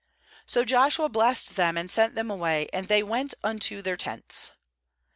6So Joshua blessed them, and sent them away; and they went unto their tents.